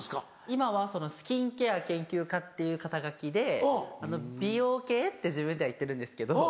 今はスキンケア研究家っていう肩書で美容系って自分では言ってるんですけど。